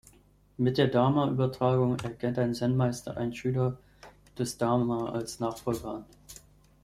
Mit der Dharma-Übertragung erkennt ein Zen-Meister einen Schüler des Dharma als Nachfolger an.